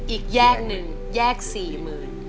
อีกแยกหนึ่งแยกสี่หมื่น